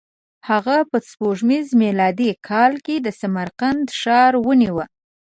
هغه په سپوږمیز میلادي کال کې د سمرقند ښار ونیو.